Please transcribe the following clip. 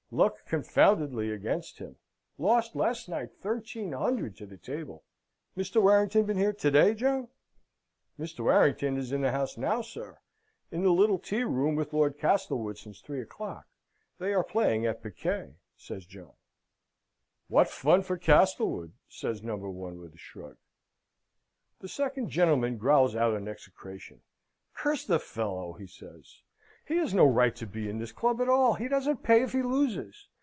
Luck confoundedly against him. Lost, last night, thirteen hundred to the table. Mr. Warrington been here to day, John?" "Mr. Warrington is in the house now, sir. In the little tea room with Lord Castlewood since three o'clock. They are playing at piquet," says John. "What fun for Castlewood!" says No. 1, with a shrug. The second gentleman growls out an execration. "Curse the fellow!" he says. "He has no right to be in this club at all. He doesn't pay if he loses.